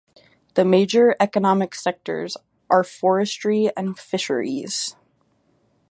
The major economic sectors are forestry and fisheries.